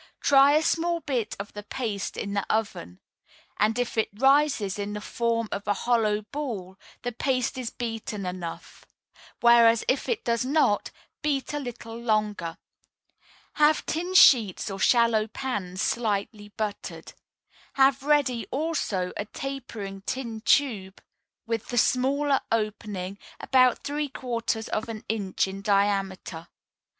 Try a small bit of the paste in the oven; and if it rises in the form of a hollow ball, the paste is beaten enough; whereas, if it does not, beat a little longer. Have tin sheets or shallow pans slightly buttered. Have ready, also, a tapering tin tube, with the smaller opening about three quarters of an inch in diameter.